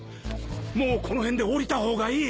もうこのへんで降りたほうがいい！